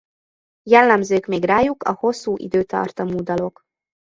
Jellemzők még rájuk a hosszú időtartamú dalok.